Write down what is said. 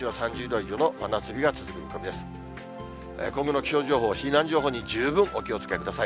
今後の気象情報、避難情報に十分お気をつけください。